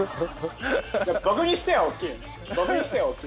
僕にしては大きい。